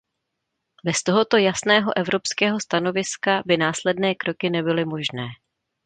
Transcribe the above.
Bez tohoto jasného evropského stanoviska by následné kroky nebyly možné.